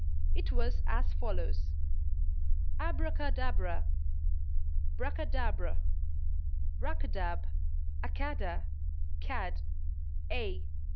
It was as follows: ABRACADABRA BRACADABR RACADAB ACADA CAD A.